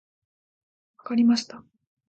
分かりました。